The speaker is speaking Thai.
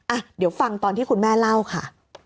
อ่ะเดี๋ยวฟังตอนที่คุณแม่เล่าค่ะ